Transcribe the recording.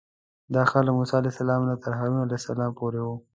دا ښار له موسی علیه السلام نه تر هارون علیه السلام پورې و.